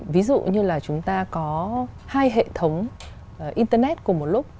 ví dụ như là chúng ta có hai hệ thống internet cùng một lúc